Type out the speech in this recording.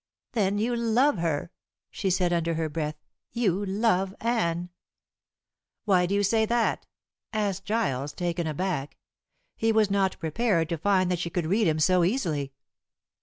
"Then you love her," she said under her breath. "You love Anne." "Why do you say that?" asked Giles, taken aback. He was not prepared to find that she could read him so easily.